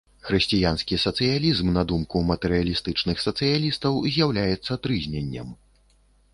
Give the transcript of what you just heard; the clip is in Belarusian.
Хрысціянскі сацыялізм, на думку матэрыялістычных сацыялістаў, з'яўляецца трызненнем.